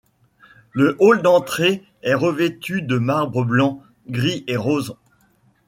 Le hall d'entrée est revêtu de marbre blanc, gris et rose.